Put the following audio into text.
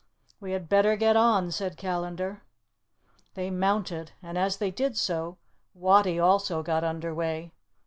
"We had better get on," said Callandar. They mounted, and as they did so, Wattie also got under way.